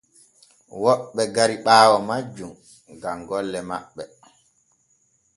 Woɓɓe gari ɓaawo majjum gam golle maɓɓe.